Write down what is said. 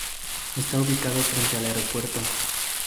Está ubicado frente al aeropuerto.